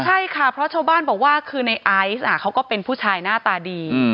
ใช่ค่ะเพราะชาวบ้านบอกว่าคือในไอซ์เขาก็เป็นผู้ชายหน้าตาดี